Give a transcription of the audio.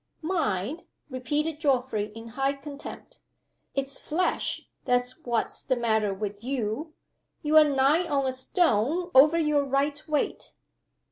"Mind?" repeated Geoffrey, in high contempt. "It's flesh that's what's the matter with you. You're nigh on a stone over your right weight.